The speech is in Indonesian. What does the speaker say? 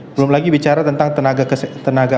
belum lagi bicara tentang tenaga